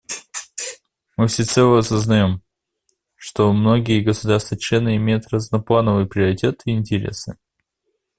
Мы всецело сознаем, что многие государства-члены имеют разноплановые приоритеты и интересы.